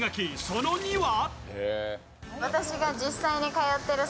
その２は？